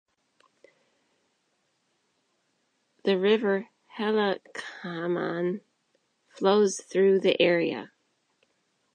The river Haliacmon flows through the area.